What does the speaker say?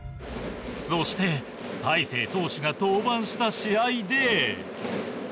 そして大勢投手が登板した試合で。